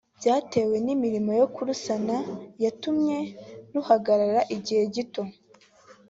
Byatewe n’imirimo yo kurusana yatumye ruhagarara igihe gito